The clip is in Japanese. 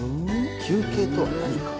休憩とは何か？